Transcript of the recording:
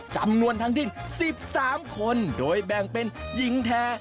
จำนวนทั้งสิ้น๑๓คนโดยแบ่งเป็นหญิงแท้